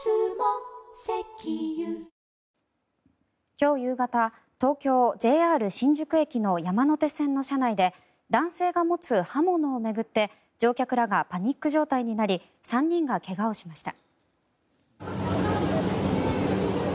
今日夕方東京・ＪＲ新宿駅の山手線の車内で男性が持つ刃物を巡って乗客らがパニック状態になり３人が怪我をしました。